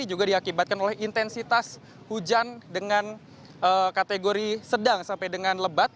juga diakibatkan oleh intensitas hujan dengan kategori sedang sampai dengan lebat